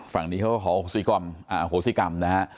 ฝั่งนี้เขาก็ขอโหสิกรรมนะฮะ